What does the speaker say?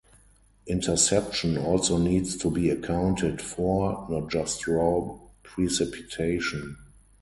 Interception also needs to be accounted for, not just raw precipitation.